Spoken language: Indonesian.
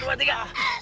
satu dua tiga